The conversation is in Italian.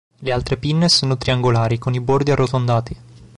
Le altre pinne sono triangolari con i bordi arrotondati.